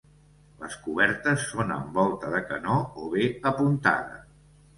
Les cobertes són amb volta de canó o bé apuntada.